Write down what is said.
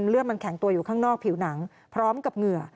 เลือดมันแข็งตัวอยู่ข้างนอกผิวหนังพร้อมกับเหงื่อ